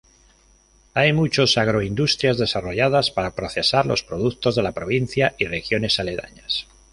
Hay muchas agroindustrias desarrolladas para procesar los productos de la provincia y regiones aledañas.